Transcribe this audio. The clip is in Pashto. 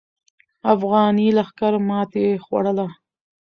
افغاني لښکر ماتې خوړله.